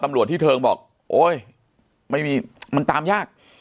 ตำรวจที่เทิงบอกโอ๊ยไม่มีมันตามยาก